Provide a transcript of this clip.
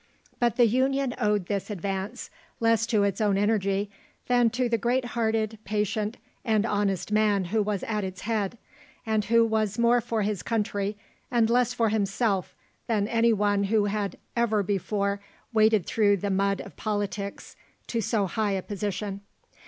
But the Union owed this advance less to its own energy than to the great hearted, patient, and honest man who was at its head, and who was more for his country and less for himself than any one who had ever before waded through the mud of politics to so high a position.